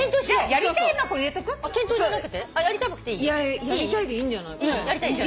やりたい！でいいんじゃないかな。